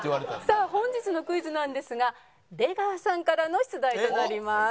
さあ本日のクイズなんですが出川さんからの出題となります。